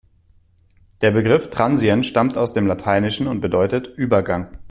Der Begriff "Transient" stammt aus dem Lateinischen und bedeutet „Übergang“.